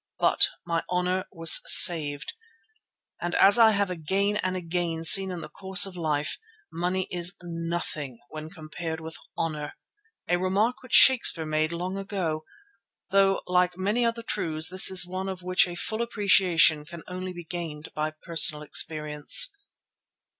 But my honour was saved, and as I have again and again seen in the course of life, money is nothing when compared with honour, a remark which Shakespeare made long ago, though like many other truths this is one of which a full appreciation can only be gained by personal experience.